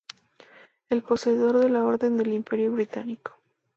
Es poseedor de la Orden del Imperio Británico.